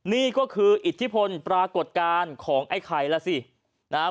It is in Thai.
นี่ก็คืออิทธิพลปรากฏการณ์ของไอ้ไข่ล่ะสินะครับ